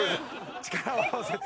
力を合わせて。